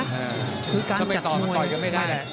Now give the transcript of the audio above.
ก็เป็นต่อมาต่อยกันไม่ได้